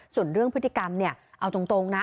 ส่วนเรื่องพฤติกรรมเนี่ยเอาตรงนะ